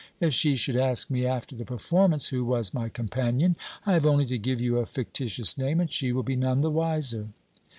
If she should ask me after the performance who was my companion, I have only to give you a fictitious name and she will be none the wiser."